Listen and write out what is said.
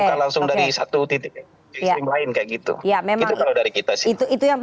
bukan langsung dari satu titik ke satu titik lain